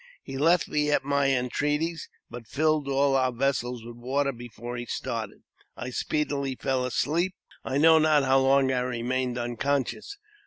He left me at my entreaties, but filled all our vessels with, water before he started. I speedily fell asleep, and I know not how long I remained unconscious.